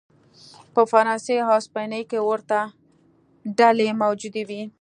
په فرانسې او هسپانیې کې ورته ډلې موجود وې.